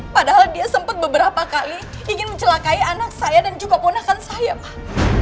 padahal dia sempat beberapa kali ingin mencelakai anak saya dan juga ponakan saya mah